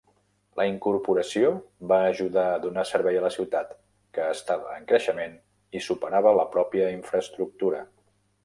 La incorporació va ajudar a donar servei a la ciutat, que estava en creixement i superava la pròpia infraestructura.